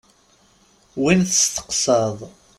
Win testeqsaḍ.